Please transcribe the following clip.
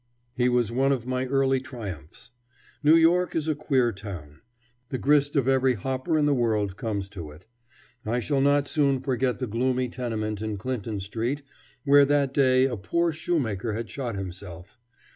He was one of my early triumphs. New York is a queer town. The grist of every hopper in the world comes to it. I shall not soon forget the gloomy tenement in Clinton Street where that day a poor shoemaker had shot himself.